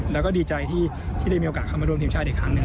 แล้วก็ดีใจที่ได้มีโอกาสเข้ามาร่วมทีมชาติอีกครั้งหนึ่ง